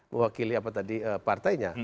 mewakili apa tadi partainya